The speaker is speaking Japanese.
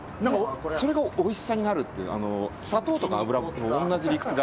それがおいしさになるという砂糖とか油と同じ理屈が。